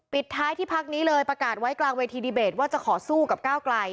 ปิดท้ายที่พักนี้เลยประกาศไว้กลางเวทีดีเบตว่าจะขอสู้กับก้าวไกล